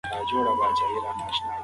تاسو د بدلون بیلګه اوسئ.